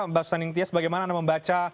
mbak susani intias bagaimana anda membaca